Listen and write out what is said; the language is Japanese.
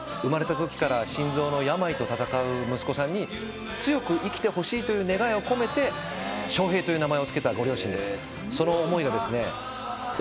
生まれたときから心臓の病と闘う息子さんに強く生きてほしいという願いを込めて翔平という名前をつけたご両親です。